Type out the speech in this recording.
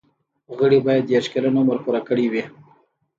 غړي باید دیرش کلن عمر پوره کړی وي.